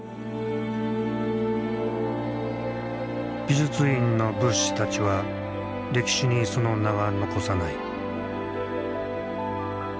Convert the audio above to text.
美術院の仏師たちは歴史にその名は残さない。